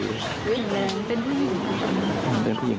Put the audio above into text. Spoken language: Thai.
แข็งแรงเป็นผู้หญิง